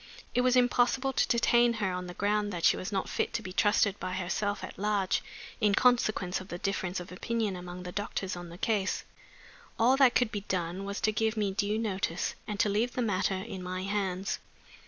It was impossible to detain her on the ground that she was not fit to be trusted by herself at large, in consequence of the difference of opinion among the doctors on the case. All that could be done was to give me due notice, and to leave the matter in my hands.